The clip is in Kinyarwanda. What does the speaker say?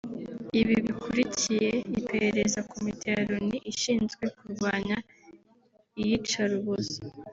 Ibi bikurikiye iperereza Komite ya Loni ishinzwe kurwanya iyicarubozo